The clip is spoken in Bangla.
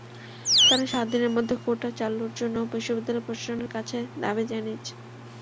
তাঁরা সাত দিনের মধ্যে কোটা চালুর জন্য বিশ্ববিদ্যালয় প্রশাসনের কাছে দাবি জানিয়েছেন।